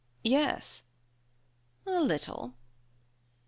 "Yes." "A little."